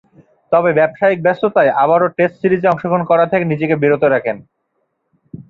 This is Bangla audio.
তবে, ব্যবসায়িক ব্যস্ততায় আবারও টেস্ট সিরিজে অংশগ্রহণ করা থেকে নিজেকে বিরত রাখেন।